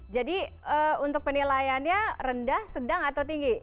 jadi untuk penilaiannya rendah sedang atau tinggi